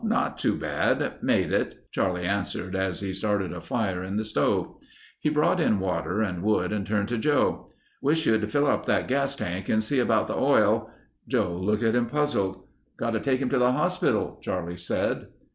"Not too bad ... made it," Charlie answered as he started a fire in the stove. He brought in water and wood and turned to Joe. "Wish you'd fill up that gas tank and see about the oil...." Joe looked at him, puzzled. "Got to take him to the hospital," Charlie said.